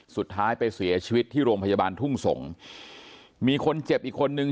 สุดท้ายไปเสียชีวิตที่โรงพยาบาลทุ่งสงศ์มีคนเจ็บอีกคนนึง